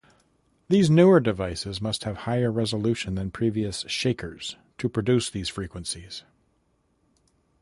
These newer devices must have higher resolution than previous "shakers" to produce these frequencies.